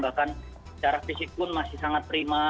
bahkan secara fisik pun masih sangat prima